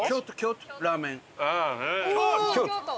京都？